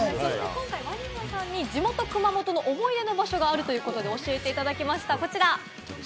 そして地元・熊本の思い出の場所があるということで教えていただきました。